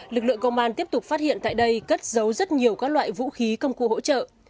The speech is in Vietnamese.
lực lượng công an tiếp tục phát hiện tại đây cất giấu rất nhiều các loại vũ khí công cụ hỗ trợ